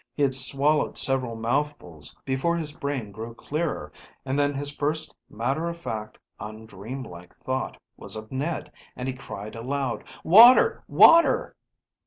He had swallowed several mouthfuls before his brain grew clearer, and then his first matter of fact un dreamlike thought was of Ned, and he cried aloud "Water, water!"